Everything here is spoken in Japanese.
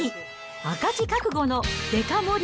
赤字覚悟のデカ盛り